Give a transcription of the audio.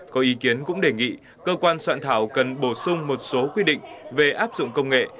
có ý kiến cũng đề nghị cơ quan soạn thảo cần bổ sung một số quy định về áp dụng công nghệ